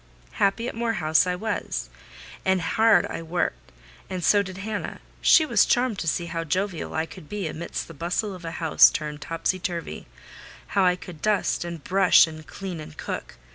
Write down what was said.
Happy at Moor House I was, and hard I worked; and so did Hannah: she was charmed to see how jovial I could be amidst the bustle of a house turned topsy turvy—how I could brush, and dust, and clean, and cook.